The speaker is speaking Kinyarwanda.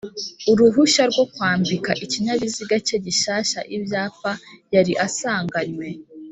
uruhushya rwo kwambika ikinyabiziga cye gishyashya ibyapa yari asanganywe